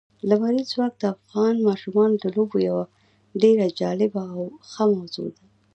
لمریز ځواک د افغان ماشومانو د لوبو یوه ډېره جالبه او ښه موضوع ده.